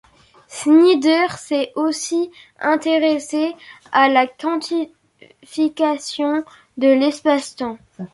Snyder s'est aussi intéressé à la quantification de l'espace-temps.